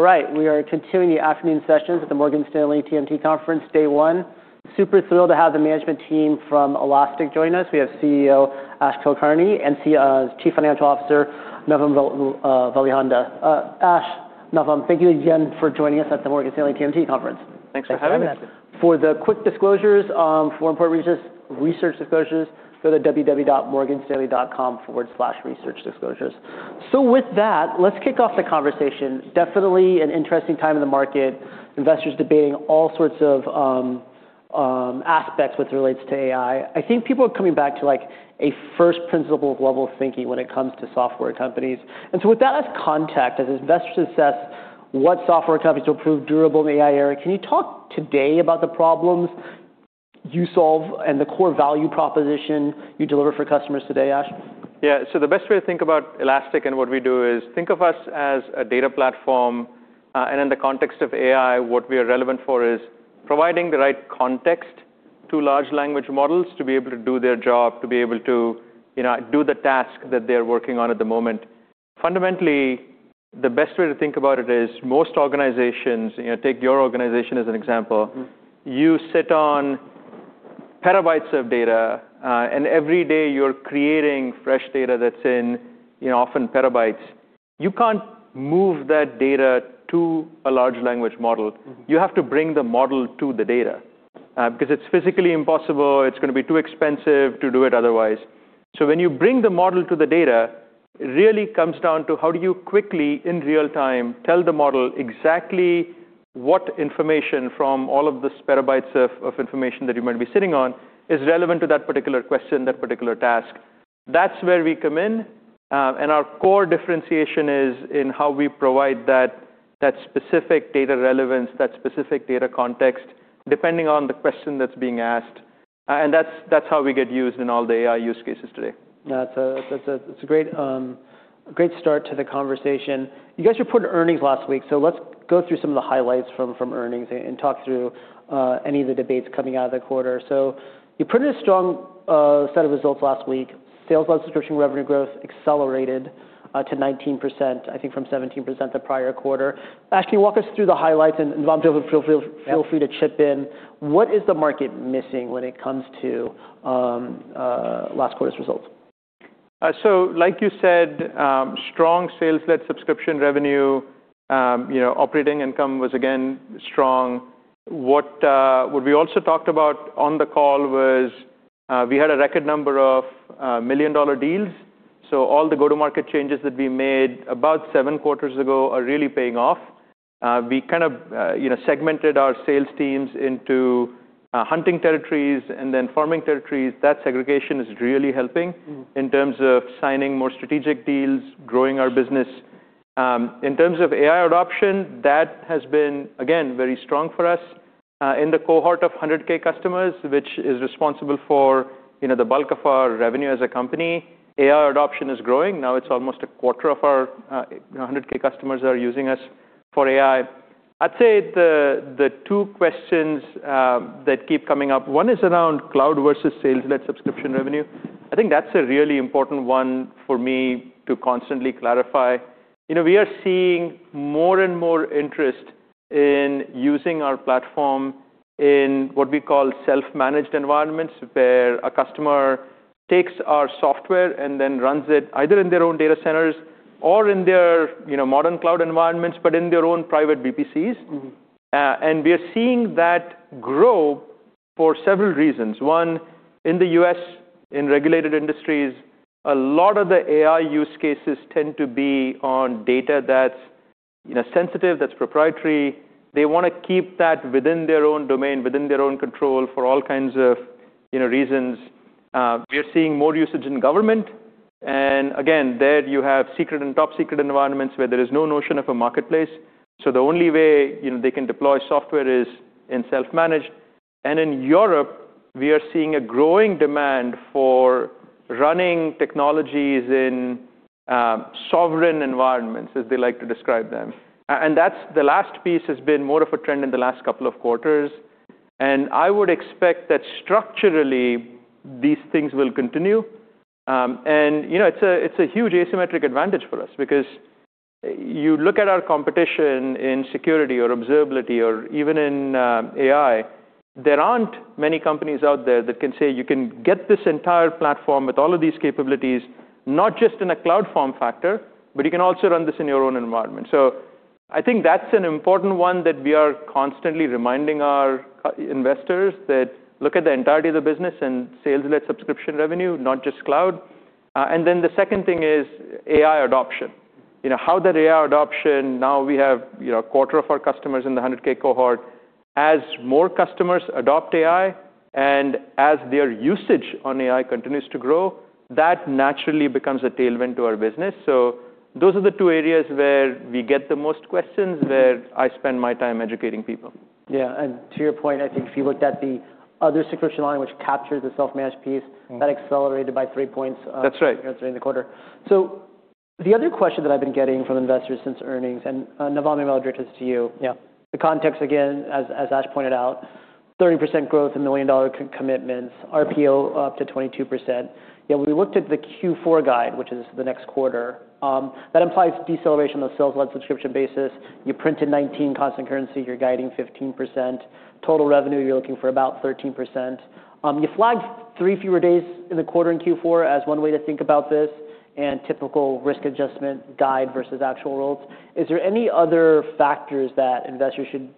All right. We are continuing the afternoon sessions at the Morgan Stanley TMT Conference, day one. Super thrilled to have the management team from Elastic join us. We have CEO Ash Kulkarni and Chief Financial Officer Navam Welihinda. Ash, Navam, thank you again for joining us at the Morgan Stanley TMT Conference. Thanks for having us. Thanks for having us. For the quick disclosures, for important research disclosures, go to www.morganstanley.com/researchdisclosures. With that, let's kick off the conversation. Definitely an interesting time in the market. Investors debating all sorts of aspects with relates to AI. I think people are coming back to, like, a first principle of level thinking when it comes to software companies. With that as context, as investors assess what software companies will prove durable in the AI era, can you talk today about the problems you solve and the core value proposition you deliver for customers today, Ash? Yeah. The best way to think about Elastic and what we do is think of us as a data platform, and in the context of AI, what we are relevant for is providing the right context to large language models to be able to do their job, to be able to, you know, do the task that they're working on at the moment. Fundamentally, the best way to think about it is most organizations, you know, take your organization as an example. You sit on petabytes of data, every day you're creating fresh data that's in, you know, often petabytes. You can't move that data to a large language model. You have to bring the model to the data, because it's physically impossible. It's gonna be too expensive to do it otherwise. When you bring the model to the data, it really comes down to how do you quickly, in real time, tell the model exactly what information from all of these petabytes of information that you might be sitting on is relevant to that particular question, that particular task. That's where we come in, and our core differentiation is in how we provide that specific data relevance, that specific data context, depending on the question that's being asked. That's how we get used in all the AI use cases today. That's a great start to the conversation. You guys reported earnings last week, let's go through some of the highlights from earnings and talk through any of the debates coming out of the quarter. You printed a strong set of results last week. Sales-led subscription revenue growth accelerated to 19%, I think from 17% the prior quarter. Ash, can you walk us through the highlights? Navam, feel free to chip in. Yeah. What is the market missing when it comes to, last quarter's results? Like you said, strong sales-led subscription revenue. You know, operating income was again strong. What we also talked about on the call was, we had a record number of million-dollar deals. All the go-to-market changes that we made about seven quarters ago are really paying off. We kind of, you know, segmented our sales teams into hunting territories and then farming territories. That segregation is really helping. In terms of signing more strategic deals, growing our business. In terms of AI adoption, that has been, again, very strong for us. In the cohort of 100K customers, which is responsible for, you know, the bulk of our revenue as a company, AI adoption is growing. Now it's almost a quarter of our, you know, 100K customers are using us for AI. I'd say the two questions that keep coming up, one is around cloud versus sales-led subscription revenue. I think that's a really important one for me to constantly clarify. You know, we are seeing more and more interest in using our platform in what we call self-managed environments, where a customer takes our software and then runs it either in their own data centers or in their, you know, modern cloud environments, but in their own private VPCs. We are seeing that grow for several reasons. One, in the U.S., in regulated industries, a lot of the AI use cases tend to be on data that's, you know, sensitive, that's proprietary. They wanna keep that within their own domain, within their own control for all kinds of, you know, reasons. We are seeing more usage in government. Again, there you have secret and top secret environments where there is no notion of a marketplace. The only way, you know, they can deploy software is in self-managed. In Europe, we are seeing a growing demand for running technologies in sovereign environments, as they like to describe them. That's the last piece has been more of a trend in the last couple of quarters. I would expect that structurally these things will continue. You know, it's a huge asymmetric advantage for us because you look at our competition in security or observability or even in AI, there aren't many companies out there that can say you can get this entire platform with all of these capabilities, not just in a cloud form factor, but you can also run this in your own environment. I think that's an important one that we are constantly reminding our investors that look at the entirety of the business and sales-led subscription revenue, not just cloud. The second thing is AI adoption. You know, how that AI adoption, now we have, you know, a quarter of our customers in the 100K cohort. As more customers adopt AI and as their usage on AI continues to grow, that naturally becomes a tailwind to our business. Those are the two areas where we get the most questions, where I spend my time educating people. Yeah. To your point, I think if you looked at the other subscription line which captures the self-managed piece that accelerated by three points, during the quarter. The other question that I've been getting from investors since earnings, and, Navam, I'm gonna direct this to you. Yeah. The context, again, as Ash pointed out, 30% growth in $ million commitments, RPO up to 22%. When we looked at the Q4 guide, which is the next quarter, that implies deceleration of sales-led subscription basis. You printed 19% constant currency, you're guiding 15%. Total revenue, you're looking for about 13%. You flagged three fewer days in the quarter in Q4 as one way to think about this and typical risk adjustment guide versus actual worlds. Is there any other factors that investors should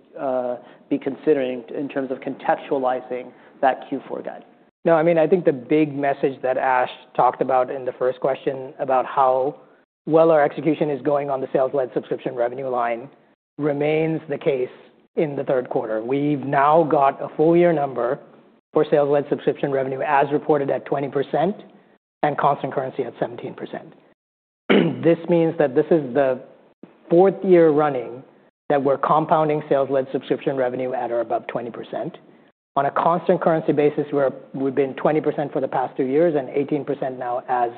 be considering in terms of contextualizing that Q4 guide? I mean, I think the big message that Ash talked about in the first question about how well our execution is going on the sales-led subscription revenue line remains the case in the third quarter. We've now got a full year number for sales-led subscription revenue as reported at 20% and constant currency at 17%. This means that this is the fourth year running that we're compounding sales-led subscription revenue at or above 20%. On a constant currency basis, we've been 20% for the past two years and 18% now as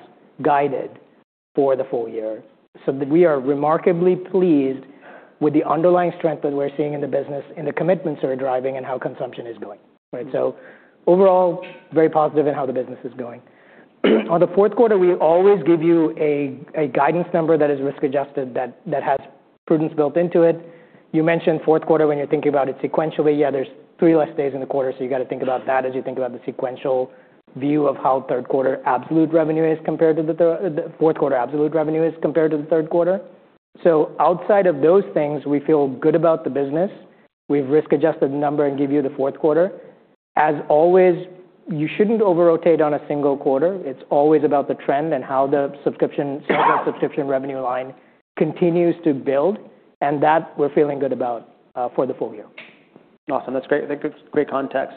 guided for the full year. We are remarkably pleased with the underlying strength that we're seeing in the business and the commitments that are driving and how consumption is going, right? Overall, very positive in how the business is going. On the fourth quarter, we always give you a guidance number that is risk-adjusted that has prudence built into it. You mentioned fourth quarter when you're thinking about it sequentially. There's three less days in the quarter, you got to think about that as you think about the sequential view of how fourth quarter absolute revenue is compared to the third quarter. Outside of those things, we feel good about the business. We've risk-adjusted the number and give you the fourth quarter. As always, you shouldn't over-rotate on a single quarter. It's always about the trend and how the subscription revenue line continues to build, and that we're feeling good about for the full year. Awesome. That's great. I think it's great context.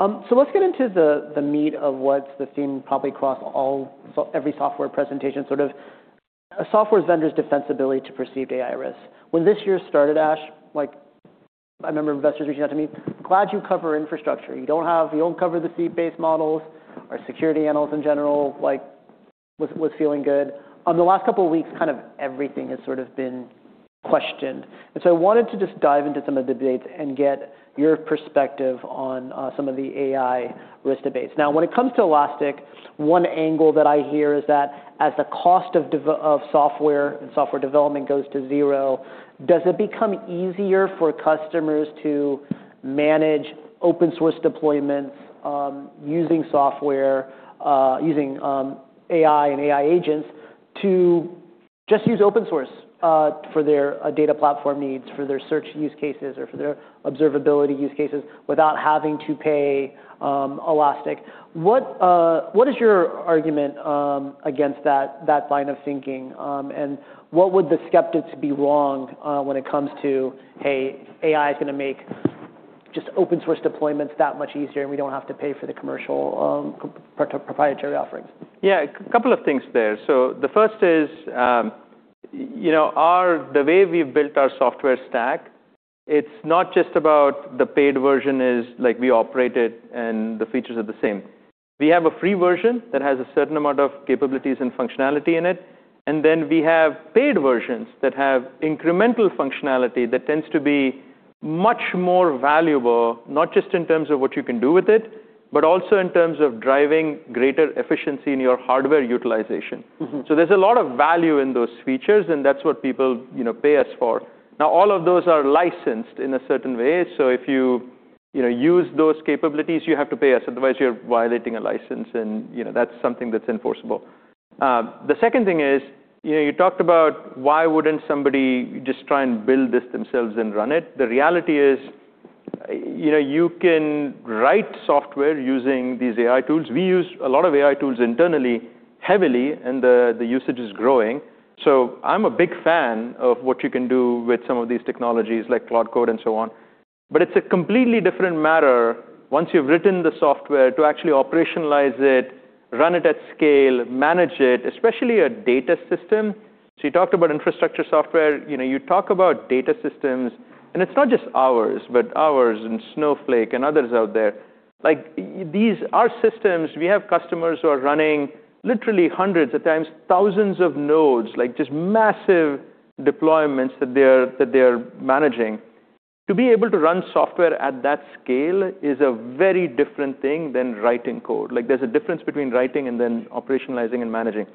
Let's get into the meat of what's the theme probably across every software presentation, sort of a software vendor's defensibility to perceived AI risk. When this year started, Ash, like a number of investors reaching out to me, 'Glad you cover infrastructure. You don't cover the fee-based models.' Our security analysts in general, like, was feeling good. On the last couple of weeks, kind of everything has sort of been questioned. I wanted to just dive into some of the debates and get your perspective on some of the AI risk debates. Now, when it comes to Elastic, one angle that I hear is that as the cost of software and software development goes to zero, does it become easier for customers to manage open source deployments, using software, using AI and AI agents to just use open source for their data platform needs, for their search use cases or for their observability use cases without having to pay Elastic? What is your argument against that line of thinking? What would the skeptics be wrong when it comes to, hey, AI is gonna make just open source deployments that much easier, and we don't have to pay for the commercial, proprietary offerings? Yeah, a couple of things there. The first is, you know, the way we've built our software stack, it's not just about the paid version is like we operate it and the features are the same. We have a free version that has a certain amount of capabilities and functionality in it, and then we have paid versions that have incremental functionality that tends to be much more valuable, not just in terms of what you can do with it, but also in terms of driving greater efficiency in your hardware utilization. There's a lot of value in those features, and that's what people, you know, pay us for. All of those are licensed in a certain way. If you know, use those capabilities, you have to pay us. Otherwise, you're violating a license, and, you know, that's something that's enforceable. The second thing is, you know, you talked about why wouldn't somebody just try and build this themselves and run it. The reality is, you know, you can write software using these AI tools. We use a lot of AI tools internally heavily, and the usage is growing. I'm a big fan of what you can do with some of these technologies like Cloud Code and so on. It's a completely different matter once you've written the software to actually operationalize it, run it at scale, manage it, especially a data system. You talked about infrastructure software. You know, you talk about data systems, and it's not just ours, but ours and Snowflake and others out there. Like, these are systems. We have customers who are running literally hundreds, at times thousands of nodes, like just massive deployments that they're managing. To be able to run software at that scale is a very different thing than writing code. Like, there's a difference between writing and then operationalizing and managing.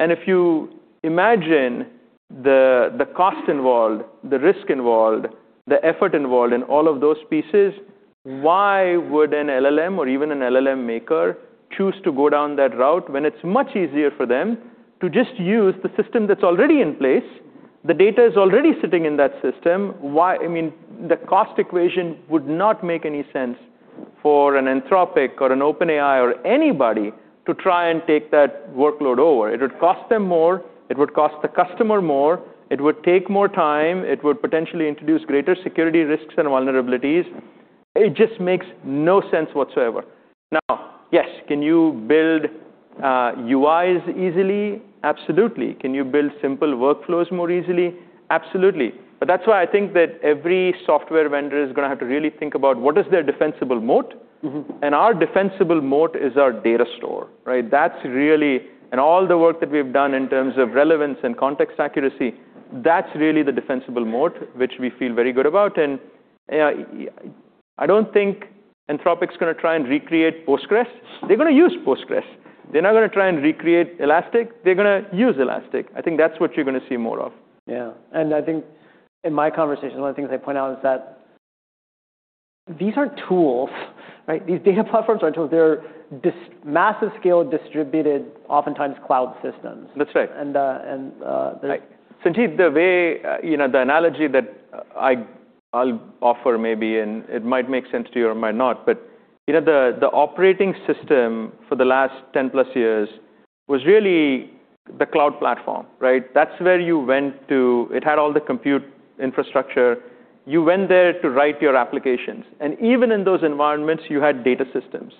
If you imagine the cost involved, the risk involved, the effort involved in all of those pieces, why would an LLM or even an LLM maker choose to go down that route when it's much easier for them to just use the system that's already in place? The data is already sitting in that system. I mean, the cost equation would not make any sense for an Anthropic or an OpenAI or anybody to try and take that workload over. It would cost them more. It would cost the customer more. It would take more time. It would potentially introduce greater security risks and vulnerabilities. It just makes no sense whatsoever. Now, yes, can you build UIs easily? Absolutely. Can you build simple workflows more easily? Absolutely. That's why I think that every software vendor is gonna have to really think about what is their defensible moat. Our defensible moat is our data store, right? That's really. All the work that we've done in terms of relevance and context accuracy, that's really the defensible moat, which we feel very good about. I don't think Anthropic's gonna try and recreate Postgres. They're gonna use Postgres. They're not gonna try and recreate Elastic, they're gonna use Elastic. I think that's what you're gonna see more of. Yeah. I think in my conversation, one of the things I point out is that these are tools, right? These data platforms are tools. They're massive scale distributed oftentimes cloud systems. That's right. And, uh, and, uh. Sanjit, the way, you know, the analogy that I'll offer maybe, and it might make sense to you or it might not, but, you know, the operating system for the last 10+ years was really the cloud platform, right? That's where you went to. It had all the compute infrastructure. You went there to write your applications. Even in those environments, you had data systems.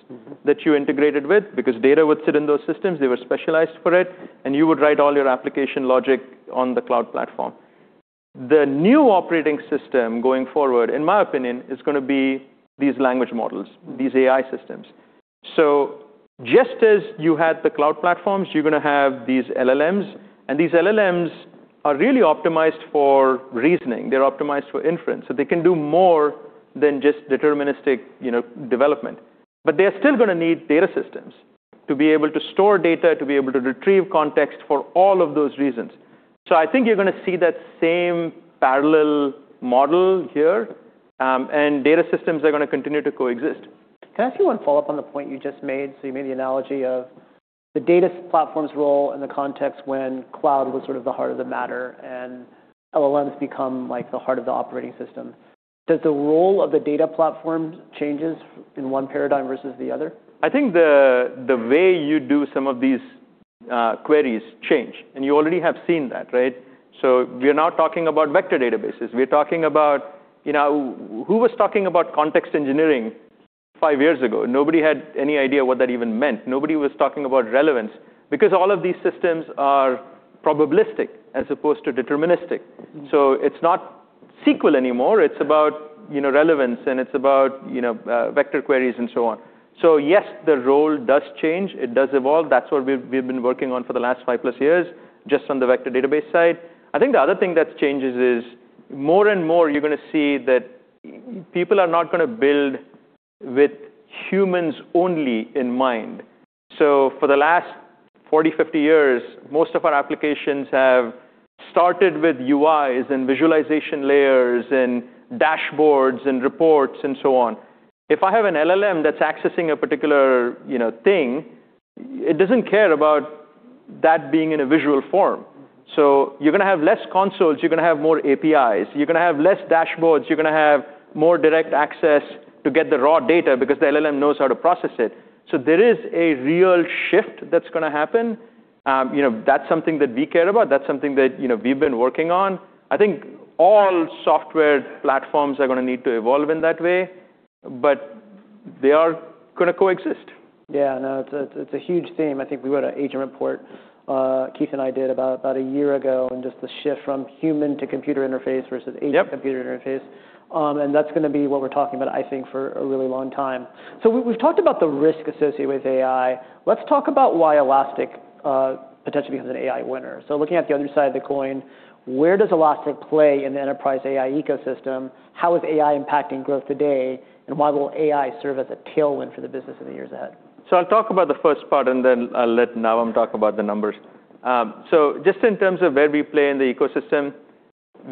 That you integrated with because data would sit in those systems, they were specialized for it, and you would write all your application logic on the cloud platform. The new operating system going forward, in my opinion, is gonna be these language models. These AI systems. Just as you had the cloud platforms, you're gonna have these LLMs. These LLMs are really optimized for reasoning, they're optimized for inference. They can do more than just deterministic, you know, development. They're still gonna need data systems to be able to store data, to be able to retrieve context for all of those reasons. I think you're gonna see that same parallel model here. Data systems are gonna continue to coexist. Can I ask you one follow-up on the point you just made? You made the analogy of the data platform's role in the context when cloud was sort of the heart of the matter, and LLMs become, like, the heart of the operating system. Does the role of the data platforms changes in one paradigm versus the other? I think the way you do some of these queries change, and you already have seen that, right? We're now talking about vector databases. We're talking about, you know—who was talking about context engineering five years ago? Nobody had any idea what that even meant. Nobody was talking about relevance because all of these systems are probabilistic as opposed to deterministic. It's not SQL anymore, it's about, you know, relevance, and it's about, you know, vector queries and so on. Yes, the role does change, it does evolve. That's what we've been working on for the last five-plus years, just on the vector database side. I think the other thing that changes is more and more you're gonna see that people are not gonna build with humans only in mind. For the last 40, 50 years, most of our applications have started with UIs and visualization layers and dashboards and reports and so on. If I have an LLM that's accessing a particular, you know, thing, it doesn't care about that being in a visual form. You're gonna have less consoles, you're gonna have more APIs. You're gonna have less dashboards, you're gonna have more direct access to get the raw data because the LLM knows how to process it. There is a real shift that's gonna happen. You know, that's something that we care about, that's something that, you know, we've been working on. I think all software platforms are gonna need to evolve in that way, but they are gonna coexist. Yeah. No, it's a, it's a huge theme. I think we wrote an agent report, Keith and I did about a year ago, on just the shift from human to computer interface versus agent to computer interface. That's gonna be what we're talking about, I think, for a really long time. We've talked about the risk associated with AI. Let's talk about why Elastic potentially is an AI winner. Looking at the other side of the coin, where does Elastic play in the enterprise AI ecosystem? How is AI impacting growth today? Why will AI serve as a tailwind for the business in the years ahead? I'll talk about the first part, and then I'll let Navam talk about the numbers. Just in terms of where we play in the ecosystem,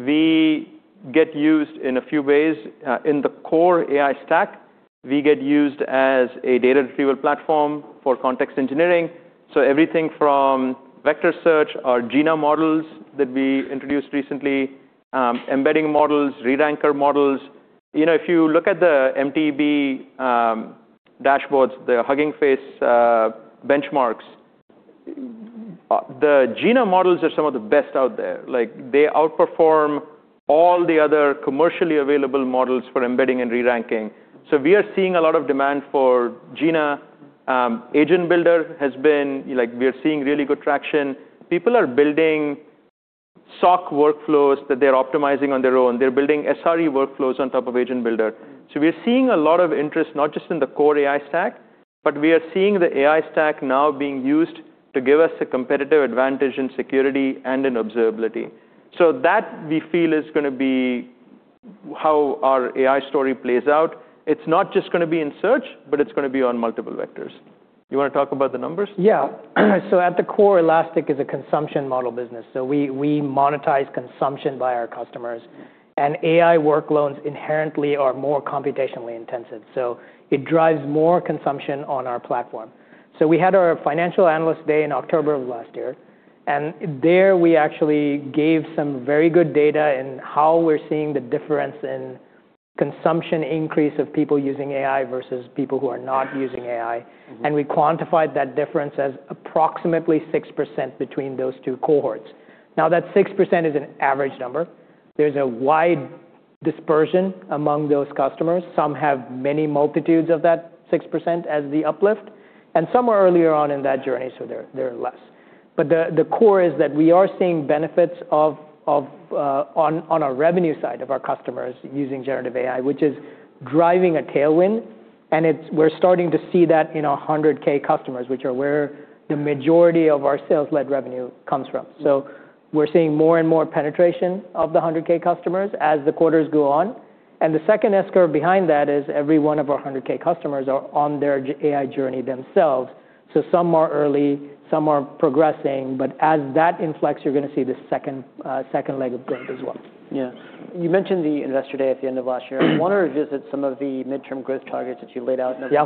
we get used in a few ways in the core AI stack. We get used as a data retrieval platform for context engineering, so everything from vector search, our Jina models that we introduced recently, embedding models, re-ranker models. You know, if you look at the MT-B dashboards, the Hugging Face benchmarks, the Jina models are some of the best out there. Like, they outperform all the other commercially available models for embedding and re-ranking. We are seeing a lot of demand for Jina. Agent Builder has been. Like, we are seeing really good traction. People are building SOC workflows that they're optimizing on their own. They're building SRE workflows on top of Agent Builder. We are seeing a lot of interest, not just in the core AI stack, but we are seeing the AI stack now being used to give us a competitive advantage in security and in observability. That, we feel, is gonna be how our AI story plays out. It's not just gonna be in search, but it's gonna be on multiple vectors. You wanna talk about the numbers? Yeah. At the core, Elastic is a consumption model business, so we monetize consumption by our customers, and AI workloads inherently are more computationally intensive, so it drives more consumption on our platform. We had our Financial Analyst Day in October of last year, and there we actually gave some very good data in how we're seeing the difference in consumption increase of people using AI versus people who are not using AI. We quantified that difference as approximately 6% between those two cohorts. That 6% is an average number. There's a wide dispersion among those customers. Some have many multitudes of that 6% as the uplift, and some are earlier on in that journey, so they're less. The core is that we are seeing benefits on our revenue side of our customers using Generative AI, which is driving a tailwind, and we're starting to see that in our 100K customers, which are where the majority of our sales-led revenue comes from. We're seeing more and more penetration of the 100K customers as the quarters go on. The second S-curve behind that is every one of our 100K customers are on their AI journey themselves. Some are early, some are progressing, as that inflex, you're going to see the second leg of growth as well. Yeah. You mentioned the investor day at the end of last year. I wanna revisit some of the midterm growth targets that you laid out. Yeah.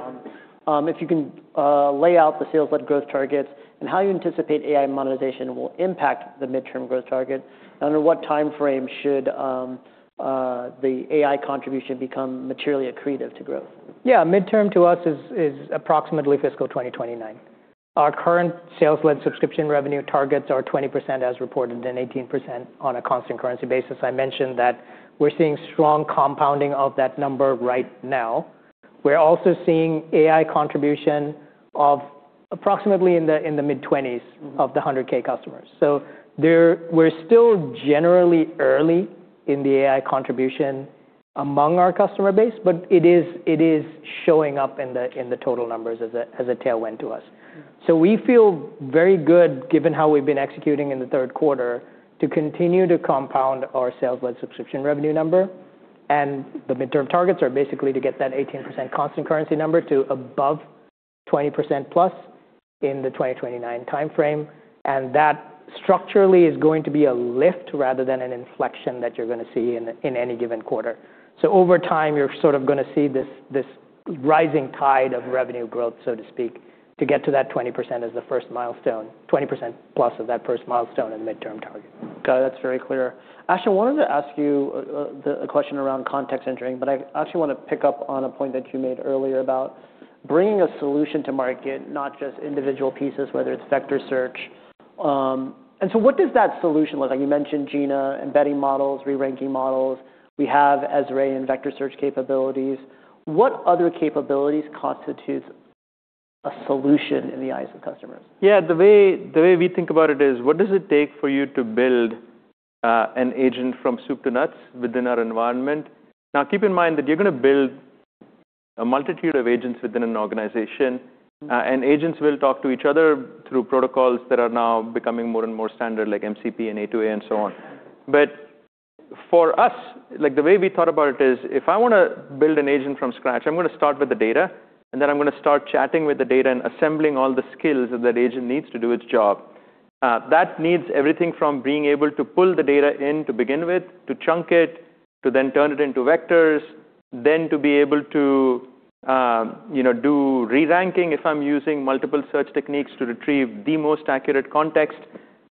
If you can lay out the sales-led growth targets and how you anticipate AI monetization will impact the midterm growth target, and under what time frame should the AI contribution become materially accretive to growth? Midterm to us is approximately fiscal 2029. Our current sales-led subscription revenue targets are 20% as reported, and 18% on a constant currency basis. I mentioned that we're seeing strong compounding of that number right now. We're also seeing AI contribution of approximately in the mid-20s of the 100K customers. We're still generally early in the AI contribution among our customer base, but it is showing up in the total numbers as a tailwind to us. We feel very good given how we've been executing in the third quarter to continue to compound our sales-led subscription revenue number, and the midterm targets are basically to get that 18% constant currency number to above 20%+ in the 2029 time frame. That structurally is going to be a lift rather than an inflection that you're gonna see in any given quarter. Over time, you're sort of gonna see this rising tide of revenue growth, so to speak, to get to that 20% as the first milestone, 20%+ of that first milestone and midterm target. Got it. That's very clear. Actually, I wanted to ask you a question around context engineering, but I actually wanna pick up on a point that you made earlier about bringing a solution to market, not just individual pieces, whether it's vector search. What does that solution look like? You mentioned Jina, embedding models, re-ranking models. We have Esri and vector search capabilities. What other capabilities constitute a solution in the eyes of customers? Yeah. The way we think about it is what does it take for you to build an agent from soup to nuts within our environment? Now, keep in mind that you're gonna build a multitude of agents within an organization, and agents will talk to each other through protocols that are now becoming more and more standard like MCP and A2A and so on. For us, like, the way we thought about it is, if I wanna build an agent from scratch, I'm gonna start with the data, and then I'm gonna start chatting with the data and assembling all the skills that that agent needs to do its job. That needs everything from being able to pull the data in to begin with, to chunk it, to then turn it into vectors, then to be able to, you know, do re-ranking if I'm using multiple search techniques to retrieve the most accurate context.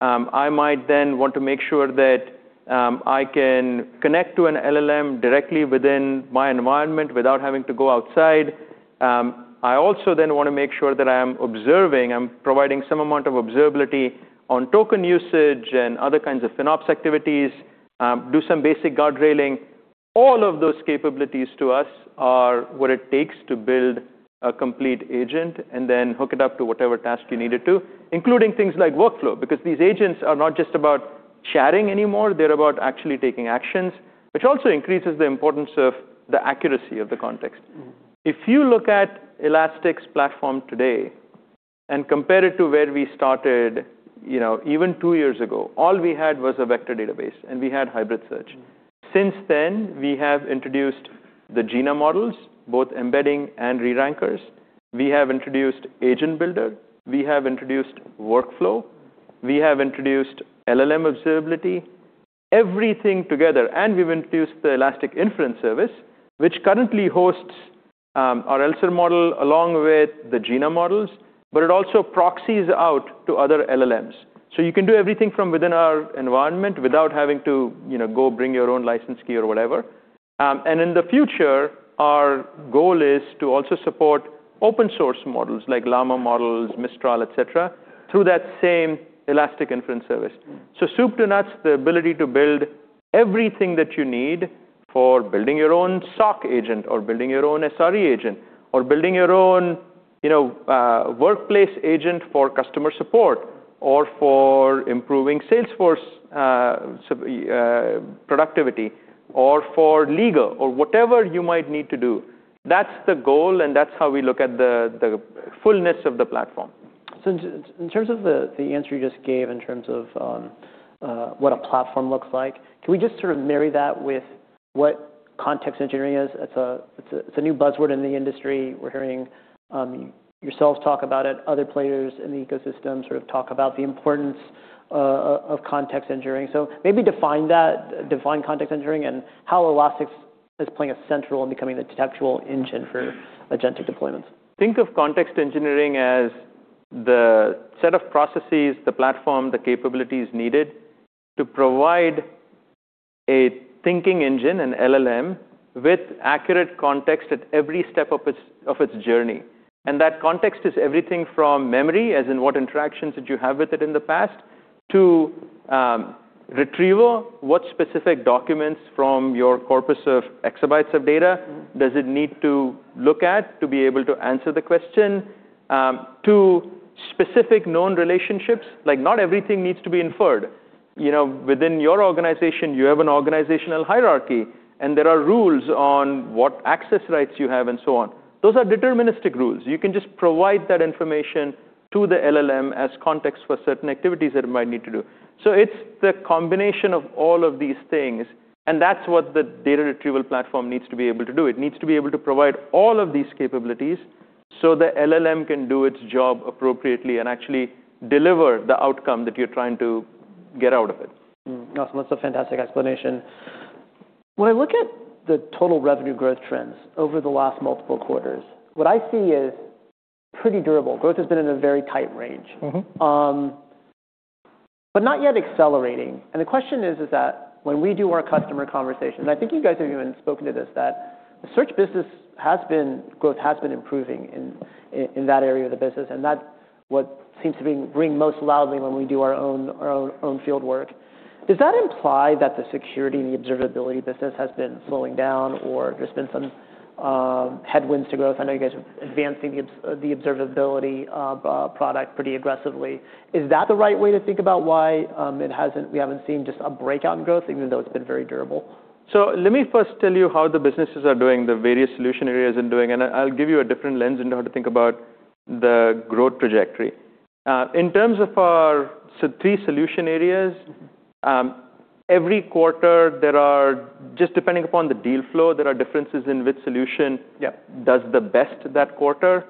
I might want to make sure that I can connect to an LLM directly within my environment without having to go outside. I also wanna make sure that I am observing, I'm providing some amount of observability on token usage and other kinds of FinOps activities, do some basic guardrailing. All of those capabilities to us are what it takes to build a complete agent and then hook it up to whatever task you need it to, including things like workflow, because these agents are not just about chatting anymore, they're about actually taking actions, which also increases the importance of the accuracy of the context. If you look at Elastic's platform today and compare it to where we started, you know, even two years ago, all we had was a vector database, and we had hybrid search. Since then, we have introduced the Jina models, both embedding and re-rankers. We have introduced Agent Builder. We have introduced workflow. We have introduced LLM observability. Everything together. We've introduced the Elastic Inference Service, which currently hosts our ELSER model along with the Jina models, but it also proxies out to other LLMs. You can do everything from within our environment without having to, you know, go bring your own license key or whatever. In the future, our goal is to also support open source models like Llama models, Mistral, et cetera, through that same Elastic Inference Service. Soup to nuts, the ability to build everything that you need for building your own SOC agent or building your own SRE agent or building your own, you know, workplace agent for customer support or for improving Salesforce productivity or for legal or whatever you might need to do. That's the goal, and that's how we look at the fullness of the platform. In terms of the answer you just gave in terms of what a platform looks like, can we just sort of marry that with what context engineering is? It's a new buzzword in the industry. We're hearing yourselves talk about it, other players in the ecosystem sort of talk about the importance of context engineering. maybe define that, define context engineering and how Elastic is playing a central and becoming the textual engine for agentic deployments? Think of context engineering as the set of processes, the platform, the capabilities needed to provide a thinking engine, an LLM, with accurate context at every step of its journey. That context is everything from memory, as in what interactions did you have with it in the past, to retrieval, what specific documents from your corpus of exabytes of data does it need to look at to be able to answer the question, to specific known relationships. Not everything needs to be inferred. You know, within your organization, you have an organizational hierarchy, and there are rules on what access rights you have and so on. Those are deterministic rules. You can just provide that information to the LLM as context for certain activities that it might need to do. It's the combination of all of these things, and that's what the data retrieval platform needs to be able to do. It needs to be able to provide all of these capabilities. The LLM can do its job appropriately and actually deliver the outcome that you're trying to get out of it. Awesome. That's a fantastic explanation. When I look at the total revenue growth trends over the last multiple quarters, what I see is pretty durable. Growth has been in a very tight range. Not yet accelerating. The question is, when we do our customer conversations, I think you guys have even spoken to this, that the search business growth has been improving in that area of the business, and that's what seems to ring most loudly when we do our own field work. Does that imply that the security and the observability business has been slowing down or there's been some headwinds to growth? I know you guys are advancing the observability of product pretty aggressively. Is that the right way to think about why we haven't seen just a breakout in growth even though it's been very durable? Let me first tell you how the businesses are doing, the various solution areas are doing, and I'll give you a different lens into how to think about the growth trajectory. In terms of our three solution areas, every quarter there are just depending upon the deal flow, there are differences in which solution does the best that quarter.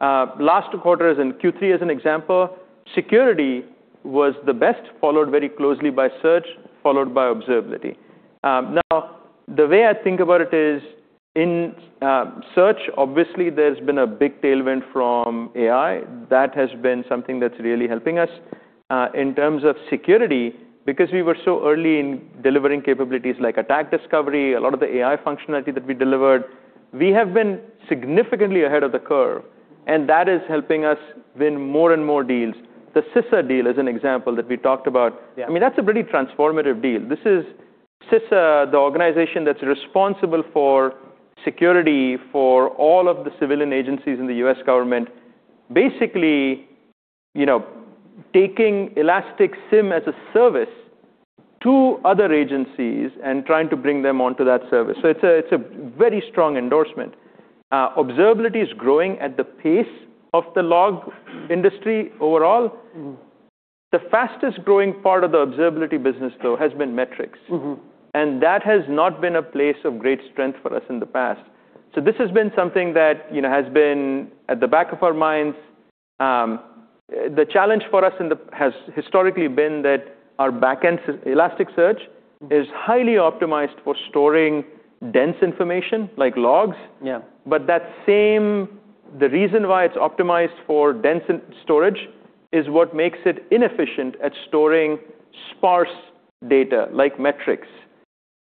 Last quarters in Q3 as an example, security was the best, followed very closely by search, followed by observability. Now the way I think about it is in search, obviously there's been a big tailwind from AI. That has been something that's really helping us. In terms of security, because we were so early in delivering capabilities like Attack Discovery, a lot of the AI functionality that we delivered, we have been significantly ahead of the curve, and that is helping us win more and more deals. The CISA deal is an example that we talked about. Yeah. I mean, that's a pretty transformative deal. This is CISA, the organization that's responsible for security for all of the civilian agencies in the U.S. government, basically, you know, taking Elastic SIEM as a service to other agencies and trying to bring them onto that service. It's a, it's a very strong endorsement. Observability is growing at the pace of the log industry overall. The fastest growing part of the observability business, though, has been metrics. That has not been a place of great strength for us in the past. This has been something that, you know, has been at the back of our minds. The challenge for us has historically been that our backend Elasticsearch is highly optimized for storing dense information, like logs. Yeah. The reason why it's optimized for dense storage is what makes it inefficient at storing sparse data like metrics.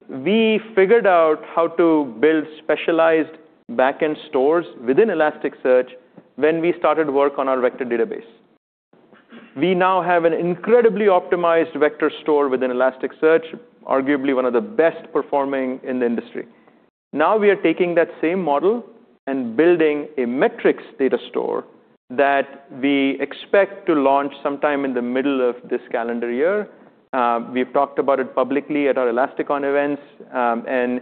We figured out how to build specialized backend stores within Elasticsearch when we started work on our vector database. We now have an incredibly optimized vector store within Elasticsearch, arguably one of the best performing in the industry. We are taking that same model and building a metrics data store that we expect to launch sometime in the middle of this calendar year. We've talked about it publicly at our ElasticON events, and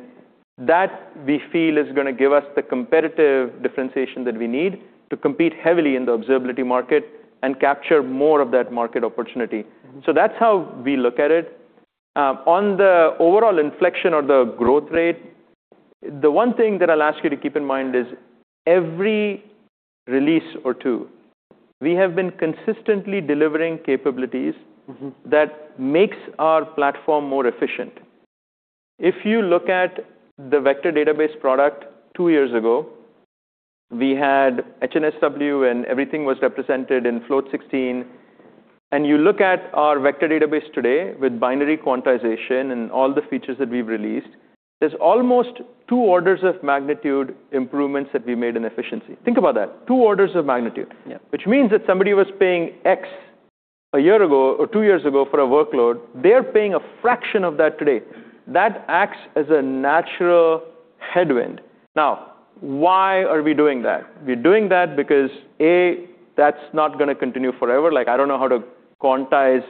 that we feel is gonna give us the competitive differentiation that we need to compete heavily in the observability market and capture more of that market opportunity. That's how we look at it. On the overall inflection or the growth rate, the one thing that I'll ask you to keep in mind is every release or two, we have been consistently delivering capabilities that makes our platform more efficient. If you look at the vector database product two years ago, we had HNSW and everything was represented in float16. You look at our vector database today with binary quantization and all the features that we've released, there's almost two orders of magnitude improvements that we made in efficiency. Think about that. Two orders of magnitude. Yeah. Which means that somebody was paying X a year ago or two years ago for a workload, they're paying a fraction of that today. That acts as a natural headwind. Why are we doing that? We're doing that because, A, that's not gonna continue forever. Like, I don't know how to quantize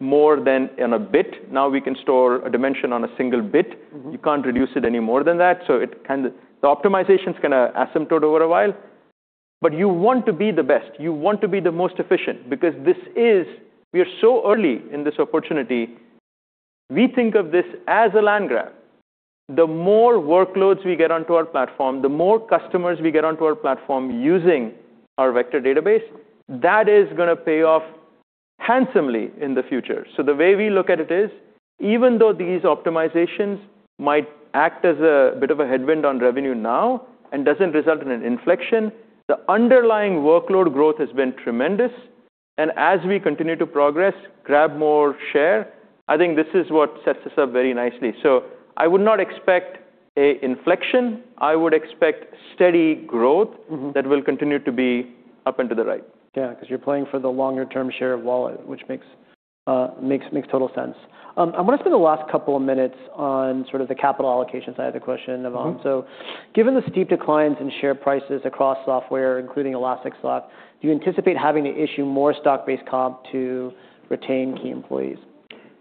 more than in a bit. We can store a dimension on a single bit. You can't reduce it any more than that, so the optimization's gonna asymptote over a while. You want to be the best, you want to be the most efficient because we are so early in this opportunity. We think of this as a land grab. The more workloads we get onto our platform, the more customers we get onto our platform using our vector database, that is gonna pay off handsomely in the future. The way we look at it is, even though these optimizations might act as a bit of a headwind on revenue now and doesn't result in an inflection, the underlying workload growth has been tremendous, and as we continue to progress, grab more share, I think this is what sets us up very nicely. I would not expect a inflection. I would expect steady growth that will continue to be up and to the right. Yeah, 'cause you're playing for the longer term share of wallet, which makes total sense. I wanna spend the last couple of minutes on sort of the capital allocation side of the question, Navam. Given the steep declines in share prices across software, including Elastic's, do you anticipate having to issue more stock-based comp to retain key employees?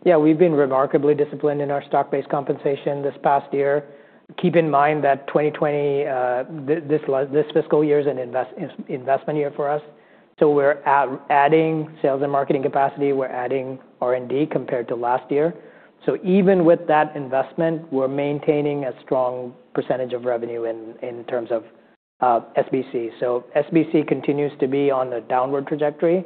Yeah, we've been remarkably disciplined in our stock-based compensation this past year. Keep in mind that 2020, this fiscal year is an investment year for us. We're adding sales and marketing capacity, we're adding R&D compared to last year. Even with that investment, we're maintaining a strong percentage of revenue in terms of SBC. SBC continues to be on the downward trajectory,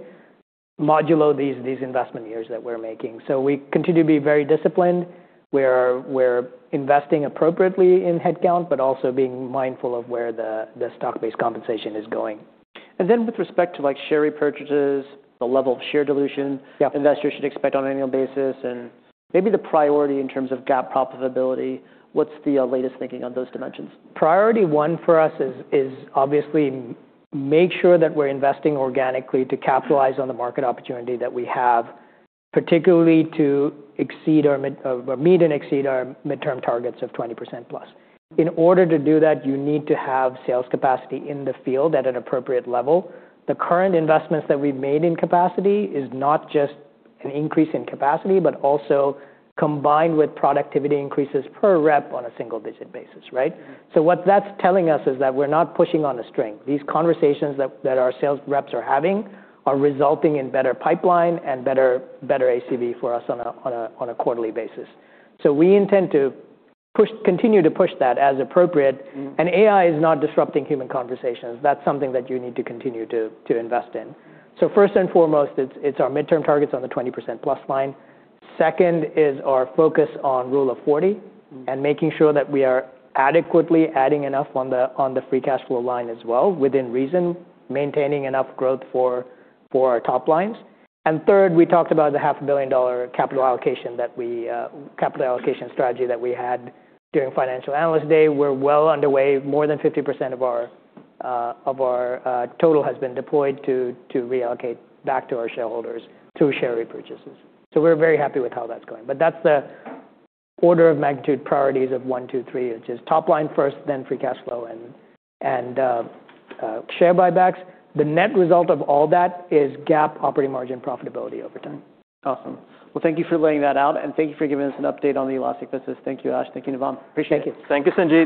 modulo these investment years that we're making. We continue to be very disciplined. We're investing appropriately in headcount, but also being mindful of where the stock-based compensation is going. With respect to like share repurchases, the level of share dilution. Yeah. Investors should expect on an annual basis, and maybe the priority in terms of GAAP profitability, what's the latest thinking on those dimensions? Priority one for us is obviously make sure that we're investing organically to capitalize on the market opportunity that we have, particularly to exceed our or meet and exceed our midterm targets of 20%+. In order to do that, you need to have sales capacity in the field at an appropriate level. The current investments that we've made in capacity is not just an increase in capacity, but also combined with productivity increases per rep on a single-digit basis, right? What that's telling us is that we're not pushing on a string. These conversations that our sales reps are having are resulting in better pipeline and better ACV for us on a quarterly basis. We intend to continue to push that as appropriate. AI is not disrupting human conversations. That's something that you need to continue to invest in. First and foremost, it's our midterm targets on the 20%+ line. Second is our focus on Rule of 40, and making sure that we are adequately adding enough on the free cash flow line as well within reason, maintaining enough growth for our top lines. Third, we talked about the $500 million a capital allocation that we capital allocation strategy that we had during Financial Analyst Day. We're well underway. More than 50% of our of our total has been deployed to reallocate back to our shareholders through share repurchases. We're very happy with how that's going. That's the order of magnitude priorities of one, two, three, which is top line first, then free cash flow and share buybacks. The net result of all that is GAAP operating margin profitability over time. Awesome. Well, thank you for laying that out. Thank you for giving us an update on the Elastic business. Thank you, Ash. Thank you, Navam. Appreciate it. Thank you. Thank you, Sanjit.